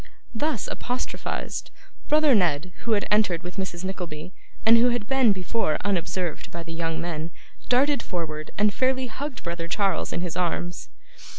Thus apostrophised, brother Ned, who had entered with Mrs. Nickleby, and who had been before unobserved by the young men, darted forward, and fairly hugged brother Charles in his arms.